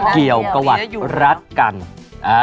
เกี่ยวกวันรัดกันอาอืออา